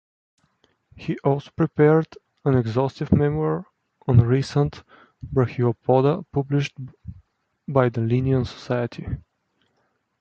He also prepared an exhaustive memoir on "Recent Brachiopoda", published by the Linnean Society.